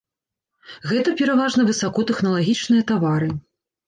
Гэта пераважна высокатэхналагічныя тавары.